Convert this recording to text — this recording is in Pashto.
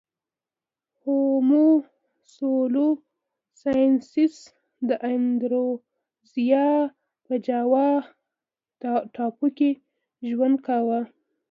هومو سولوینسیس د اندونزیا په جاوا ټاپو کې ژوند کاوه.